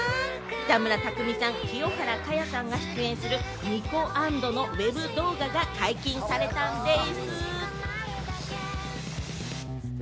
北村匠海さん、清原果耶さんが出演する「ｎｉｋｏａｎｄ．．．」のＷＥＢ動画が解禁されたんでいす。